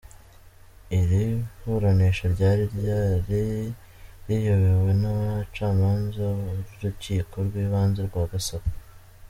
Iri buranisha ryari ryari riyobowe n’abacamanza b’urukiko rw’ibanze rwa Gasaka.